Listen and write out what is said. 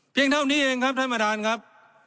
เพียงเท่านี้เองครับท่านมาฐานครับ